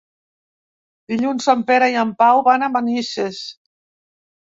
Dilluns en Pere i en Pau van a Manises.